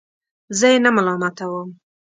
زه یې نه ملامتوم.